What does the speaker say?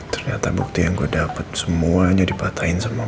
ternyata bukti yang gua dapet semuanya dipatahin sama mama sara